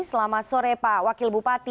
selamat sore pak wakil bupati